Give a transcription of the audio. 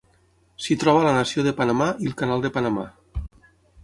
S'hi troba la nació de Panamà i el canal de Panamà.